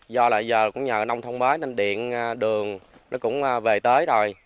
do là giờ cũng nhờ nông thông mới nên điện đường nó cũng về tới rồi